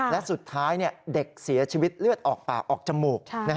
และสุดท้ายเด็กเสียชีวิตเลือดออกปากออกจมูก